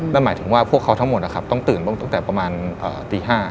นั่นหมายถึงว่าพวกเขาทั้งหมดนะครับต้องตื่นตั้งแต่ประมาณตี๕